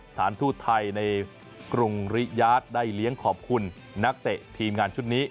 สถานทูตไทยในกรุงริยาทได้เลี้ยงขอบคุณนักเตะทีมงานชุดนี้